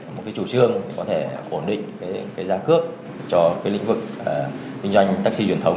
một cái chủ trương có thể ổn định cái giá cước cho cái lĩnh vực kinh doanh taxi truyền thống